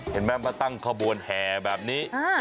เห็นไหมมาตั้งขบวนแห่แบบนี้